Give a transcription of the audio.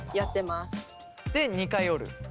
で２回折る。